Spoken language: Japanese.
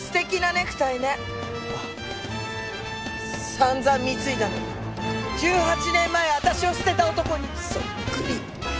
散々貢いだのに１８年前私を捨てた男にそっくり。